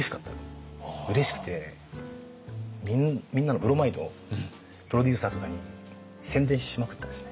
うれしくてみんなのブロマイドプロデューサーとかに宣伝しまくってですね。